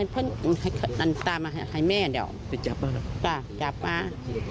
ไปจับป่า